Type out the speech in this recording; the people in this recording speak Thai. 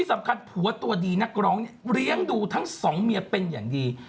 สำคัญผัวตัวดีนักร้องเนี่ยเลี้ยงดูทั้งสองเมียเป็นอย่างดี